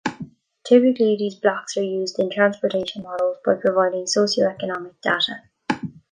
Typically these blocks are used in transportation models by providing socio-economic data.